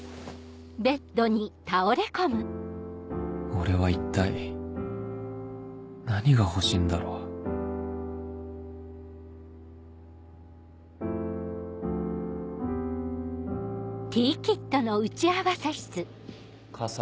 俺は一体何が欲しいんだろう河西。